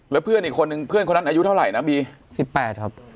แล้วเพื่อนอีกคนนึงเพื่อนคนนั้นอายุเท่าไหร่นะบี๑๘ครับ